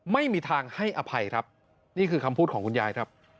ไม่มีทางให้อภัยนี่คือคำพูดของคุณยาย